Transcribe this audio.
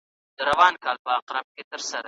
موږ باید اقتصادي پرمختګ ته لومړیتوب ورکړو.